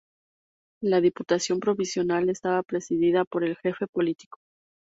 La diputación provincial estaba presidida por el jefe político.